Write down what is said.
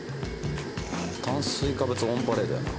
炭水化物オンパレードやな